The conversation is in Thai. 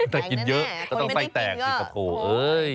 แต่กินเยอะแต่ต้องใส่แตกสิครับโอ้โฮ